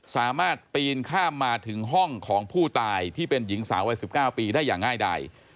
สามารถปีนข้ามมาถึงห้องของผู้ตายที่เป็นหญิงสาววัย๑๙ปีได้อย่างง่ายดาย